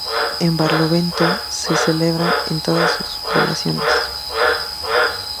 En Barlovento se celebra en todas sus poblaciones.